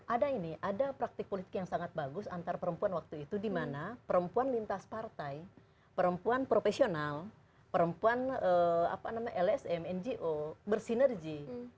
ada ini ada praktik politik yang sangat bagus antar perempuan waktu itu di mana perempuan lintas partai perempuan profesional perempuan lsm ngo bersinergi